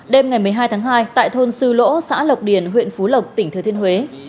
đêm ngày một mươi hai tháng hai tại thôn sư lỗ xã lộc điền huyện phú lộc tỉnh thừa thiên huế